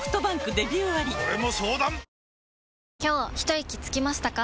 今日ひといきつきましたか？